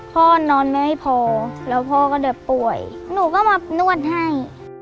นอนไม่พอแล้วพ่อก็เดินป่วยหนูก็มานวดให้